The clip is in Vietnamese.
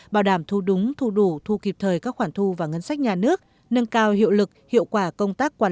bảo đảm thu đúng thu đủ và đạt được những hiệu quả nhất định